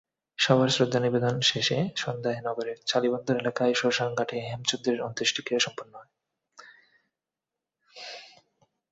সবার শ্রদ্ধা নিবেদন শেষে সন্ধ্যায় নগরের চালিবন্দর এলাকার শ্মশানঘাটে হেমচন্দ্রের অন্ত্যেষ্টিক্রিয়া সম্পন্ন হয়।